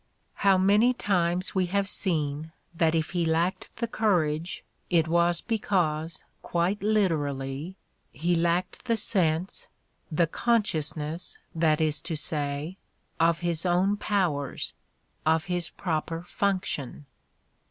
How many times we have seen that if he lacked the courage it was because, quite literally, he lacked the "sense," the consciousness, that is to say, of his own powers, of his proper function